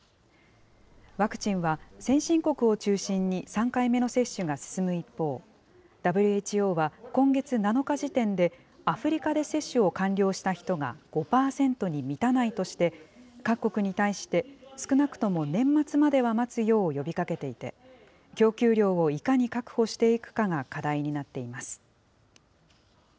ワクチンは、先進国を中心に３回目の接種が進む一方、ＷＨＯは今月７日時点でアフリカで接種を完了した人が５％に満たないとして、各国に対して、少なくとも年末までは待つよう呼びかけていて、供給量をいかに確保していくかが課題になっています。